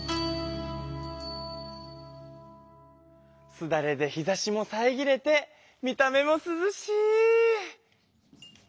すだれで日ざしもさえぎれて見た目もすずしい！